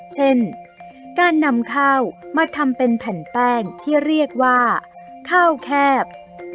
เช่นการนำข้าวมาทำเป็นแผ่นแป้งที่เรียกว่าข้าวแคบ